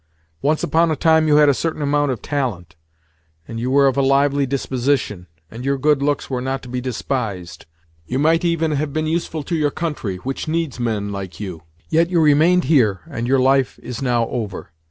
Once upon a time you had a certain amount of talent, and you were of a lively disposition, and your good looks were not to be despised. You might even have been useful to your country, which needs men like you. Yet you remained here, and your life is now over.